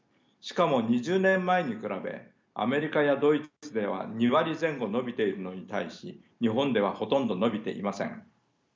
しかも２０年前に比べアメリカやドイツでは２割前後伸びているのに対し日本ではほとんど伸びていません。